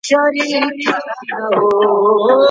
دغې تابلو نقاش کړ